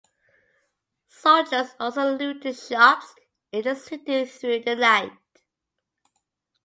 Soldiers also looted shops in the city through the night.